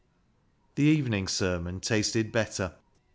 The evening sermon tasted better.